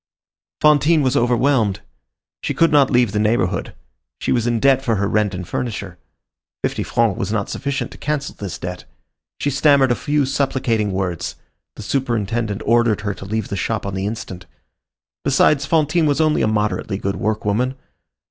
Fantine was overwhelmed. She could not leave the neighborhood; she was in debt for her rent and furniture. Fifty francs was not sufficient to cancel this debt. She stammered a few supplicating words. The superintendent ordered her to leave the shop on the instant. Besides, Fantine was only a moderately good workwoman.